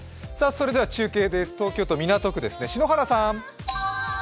中継です、東京都港区ですね、篠原さん！